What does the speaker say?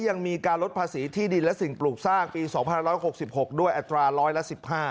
ยังมีการลดภาษีที่ดินและสิ่งปลูกสร้างปี๒๑๖๖ด้วยอัตราร้อยละ๑๕